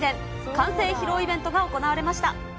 完成披露イベントが行われました。